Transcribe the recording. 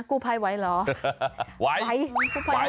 กู้ไพรไหวอยู่แล้ว